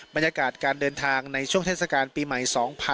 บรรยากาศการเดินทางในช่วงเทศกาลปีใหม่๒๕๖๒